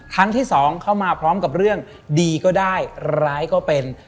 ครั้งที่สองเข้ามาพร้อมกับเรื่องดีก็ได้ร้ายก็เป็น